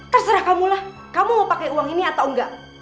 terserah kamu lah kamu mau pakai uang ini atau enggak